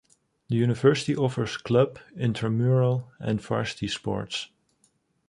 The university offers club, intramural, and varsity sports.